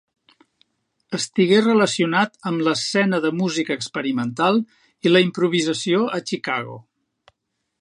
Estigué relacionat amb l'escena de música experimental i la improvisació a Chicago.